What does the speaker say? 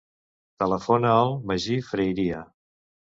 Telefona al Magí Freiria.